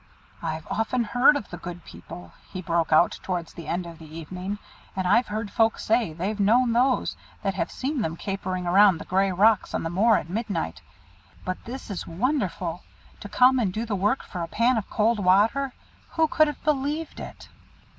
"I've often heard of the Good People," he broke out towards the end of the evening. "And I've heard folk say they've known those that have seen them capering round the grey rocks on the moor at midnight: but this is wonderful! To come and do the work for a pan of cold water! Who could have believed it?"